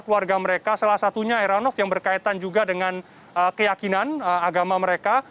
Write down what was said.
keluarga mereka salah satunya heranov yang berkaitan juga dengan keyakinan agama mereka